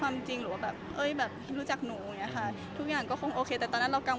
ไม่เคยต้องแบบออกสื่อหรือว่าทุกคนไม่เคยเห็นเราเลย